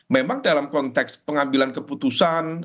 memang dalam konteks pengambilan keputusan